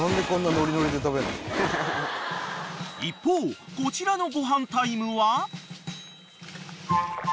［一方こちらのご飯タイムは］